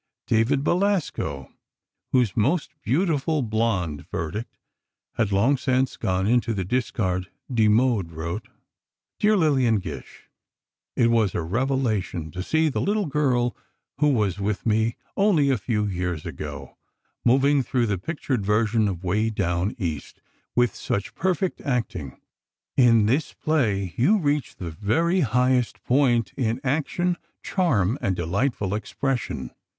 David Belasco, whose "most beautiful blonde" verdict had long since gone into the discard, démodé, wrote: Dear Lillian Gish, It was a revelation to see the little girl who was with me only a few years ago, moving through the pictured version of "Way Down East" with such perfect acting. In this play, you reach the very highest point in action, charm and delightful expression.